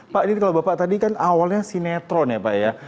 pak ini kalau bapak tadi kan awalnya sinetron ya pak ya